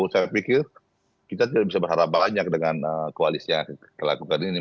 saya pikir kita tidak bisa berharap banyak dengan koalisi yang kita lakukan ini